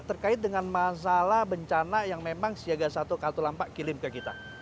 terkait dengan masalah bencana yang memang siaga satu katulampak kirim ke kita